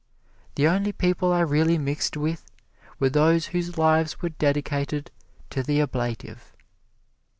The only people I really mixed with were those whose lives were dedicated to the ablative."